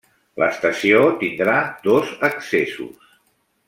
L'estació tindrà dos accessos.